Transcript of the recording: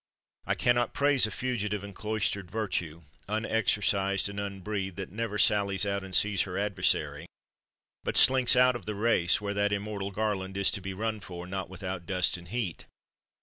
I can not praise a fugitive and cloistered vir tue, unexercised and unbreathed, that never sal lies out and sees her adversary, but slinks out of 89 THE WORLD'S FAMOUS ORATIONS the race, where that immortal garland is to be run for, not without dust and heat.